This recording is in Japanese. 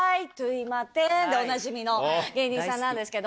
でおなじみの芸人さんなんですけど。